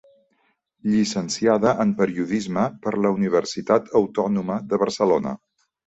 Llicenciada en Periodisme per la Universitat Autònoma de Barcelona.